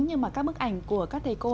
nhưng mà các bức ảnh của các thầy cô